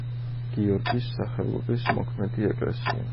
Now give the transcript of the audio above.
გიორგის სახელობის მოქმედი ეკლესია.